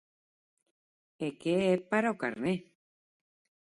_E que é para o carné...